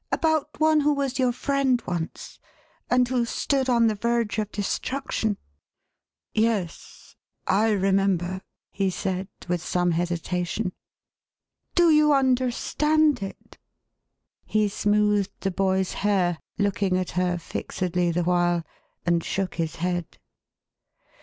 About one who was your friend once, and who stood on the verge of destruction ?"" Yes. I remember," he said, with some hesitation. " Do you understand it ?" He smoothed the boy's hair — looking at her fixedly the while, and shook his head.